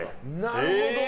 なるほど！